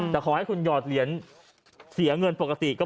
แต่ขอให้คุณหยอดเหรียญเสียเงินปกติ